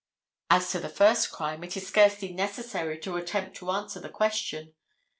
As to the first crime, it is scarcely necessary to attempt to answer the question.